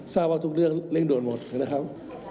ทราบว่าทุกเรื่องเร่งด่วนหมดนะครับ